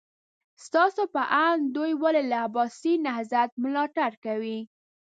ستاسو په اند دوی ولې له عباسي نهضت ملاتړ وکړ؟